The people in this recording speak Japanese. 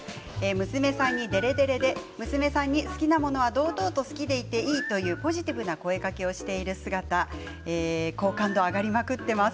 娘さんに、でれでれで娘さんに、好きなものは堂々と好きでいていいというポジティブな声かけをしている姿好感度上がりまくってます。